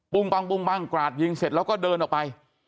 ปั้งกราดยิงเสร็จแล้วก็เดินออกไป